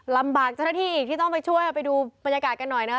ลำบากเจ้าหน้าที่อีกที่ต้องไปช่วยเราไปดูบรรยากาศกันหน่อยนะครับ